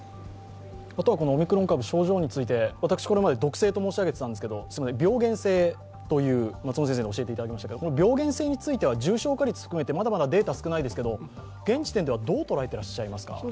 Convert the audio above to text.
オミクロン株、症状について、私これまで毒性と申し上げてきたんですが、すみません、病原性と教えていただきましたけれども、この病原性については重症化率を含めて、まだまだデータが少ないですけれども、現時点ではどう捉えていらっしゃいますか。